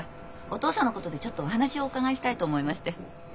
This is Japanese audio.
お父さんのことでちょっとお話をお伺いしたいと思いまして。